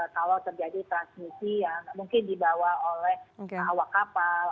kalau terjadi transmisi yang mungkin dibawa oleh awak kapal